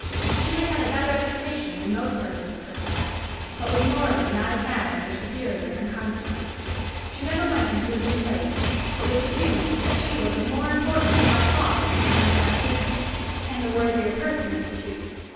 She had had a better education than most persons of her class, but was morally not an atom their superior in consequence. She never went into a new place but with the feeling that she was of more importance by far than her untried mistress, and the worthier person of the two.